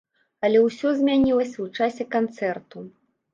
Але ўсё змянялася ў часе канцэрту.